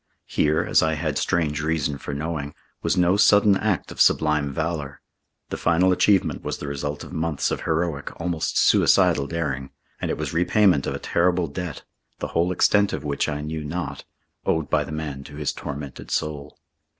Here, as I had strange reason for knowing, was no sudden act of sublime valour. The final achievement was the result of months of heroic, almost suicidal daring. And it was repayment of a terrible debt, the whole extent of which I knew not, owed by the man to his tormented soul.